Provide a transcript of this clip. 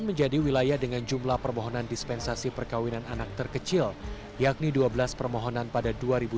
menjadi wilayah dengan jumlah permohonan dispensasi perkawinan anak terkecil yakni dua belas permohonan pada